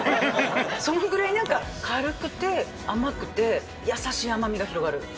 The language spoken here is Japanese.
そのぐらいなんか、軽くて甘くて、優しい甘みが広がる。